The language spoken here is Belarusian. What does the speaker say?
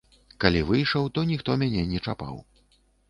Калі выйшаў, то ніхто мяне не чапаў.